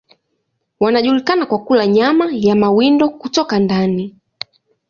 Wanajulikana kwa kula nyama ya mawindo kutoka ndani.